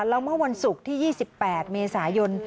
แล้วเมื่อวันศุกร์ที่๒๘เมษายน